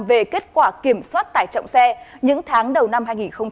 về kết quả kiểm soát tải trọng xe những tháng đầu năm hai nghìn một mươi tám